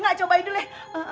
gak coba dulu ya